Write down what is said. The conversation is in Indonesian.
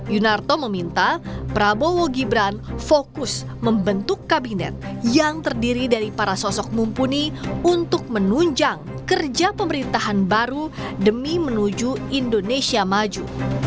yunarto meminta prabowo gibran fokus membentuk kabinet yang terdiri dari para sosok mumpuni untuk menunjang kerja pemerintahan baru demi menuju indonesia maju